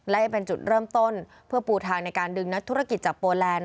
และจะเป็นจุดเริ่มต้นเพื่อปูทางในการดึงนักธุรกิจจากโปแลนด